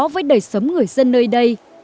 với đời sống người dân nơi đây